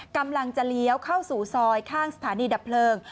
กำลังจะเลี้ยวเข้าสู่ซอยข้างสถานีดับเพลิง